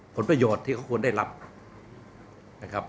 ผลประโยชน์ที่เขาควรได้รับนะครับ